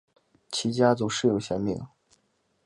其家族世有贤名。